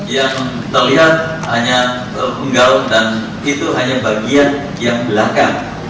yang terlihat hanya penggal dan itu hanya bagian yang belakang